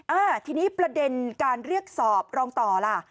อ่าทีนี้ประเด็นการเรียกสอบรองต่อล่ะ